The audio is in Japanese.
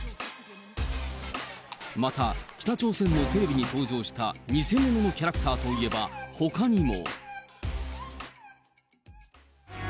また北朝鮮のテレビに登場した偽物のキャラクターというと、ほかにも。